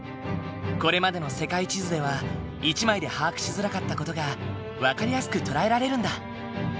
これまでの世界地図では１枚で把握しづらかった事が分かりやすく捉えられるんだ。